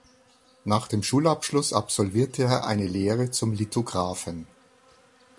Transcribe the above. Nach dem Schulabschluss absolvierte er eine Lehre zum Lithographen.